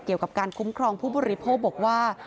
เกี่ยวกับการคุ้มครองผู้บริโภคบอกว่า